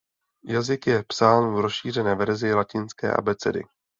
Jazyk je psán v rozšířené verzi latinské abecedy.